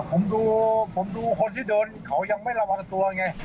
ก็ฟันศอกผมดูคนที่โดนเขายังไม่ระวังตัวไง